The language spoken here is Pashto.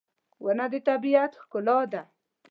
• ونه د طبیعت ښکلا ده.